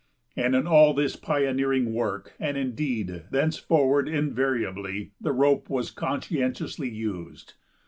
And in all of this pioneering work, and, indeed, thenceforward invariably, the rope was conscientiously used.